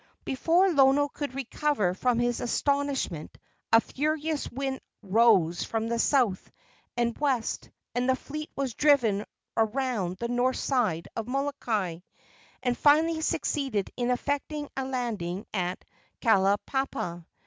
Before Lono could recover from his astonishment a furious wind rose from the south and west, and the fleet was driven around to the north side of Molokai, and finally succeeded in effecting a landing at Kalaupapa.